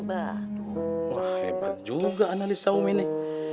wah hebat juga analisa umi nih